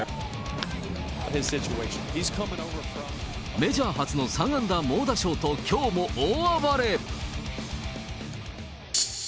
メジャー初の３安打猛打賞と、きょうも大暴れ。